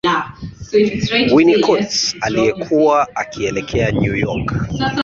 winnie coates alikuwa akielekea new york